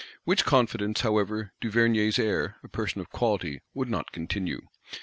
Which confidence, however, Duvernier's Heir, a person of quality, would not continue.